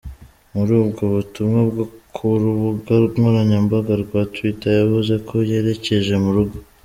Muri ubwo butumwa bwo ku rubuga nkoranyambaga rwa Twitter, yavuze ko yerecyeje "mu rugo.